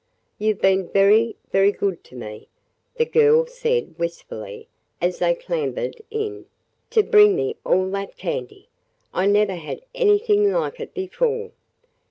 "You 've been very – very good to me," the girl said wistfully as they clambered in, "to bring me all that candy. I never had anything like it before."